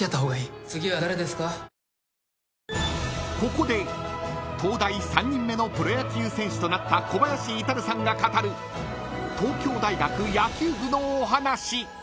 ［ここで東大３人目のプロ野球選手となった小林至さんが語る東京大学野球部のお話］